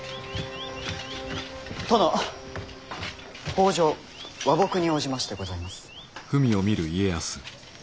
北条和睦に応じましてございます。